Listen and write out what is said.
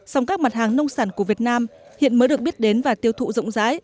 song các mặt hàng nông sản của việt nam hiện mới được biết đến và tiêu thụ rộng rãi